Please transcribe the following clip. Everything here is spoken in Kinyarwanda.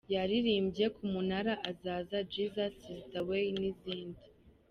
Yaririmbye ‘‘Ku munara’’, ‘‘Azaza’’, ‘‘Jesus is the way’’ n’izindi.